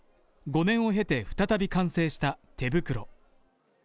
５年を経て再び完成した「てぶくろ」